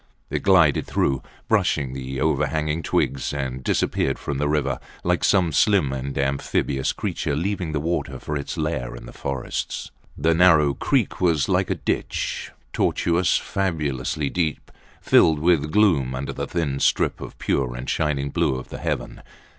It glided through, brushing the overhanging twigs, and disappeared from the river like some slim and amphibious creature leaving the water for its lair in the forests. The narrow creek was like a ditch: tortuous, fabulously deep; filled with gloom under the thin strip of pure and shining blue of the heaven.